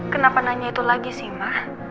kenapa nanya itu lagi sih ma